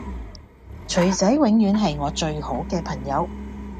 鎚仔永遠係我最好嘅朋友